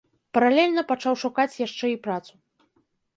Паралельна пачаў шукаць яшчэ і працу.